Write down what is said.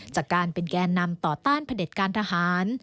จากการเป็นแก่นำต่อต้านพระเด็จการทหาร